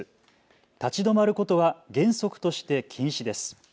立ち止まることは原則として禁止です。